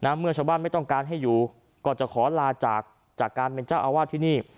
เมื่อชาวบ้านไม่ต้องการให้อยู่ก็จะขอลาจากจากการเป็นเจ้าอาวาสที่นี่